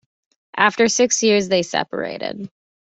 After six years, they separated.